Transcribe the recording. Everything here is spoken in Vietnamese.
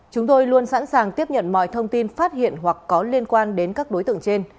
chúng tôi luôn sẵn sàng tiếp nhận mọi thông tin phát hiện hoặc có liên quan đến các đối tượng trên